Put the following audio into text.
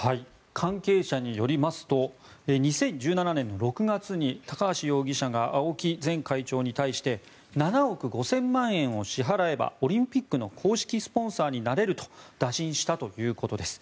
関係者によりますと２０１７年の６月に高橋容疑者が青木前会長に対して７億５０００万円を支払えばオリンピックの公式スポンサーになれると打診したということです。